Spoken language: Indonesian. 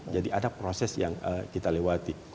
jadi ada proses yang kita lewati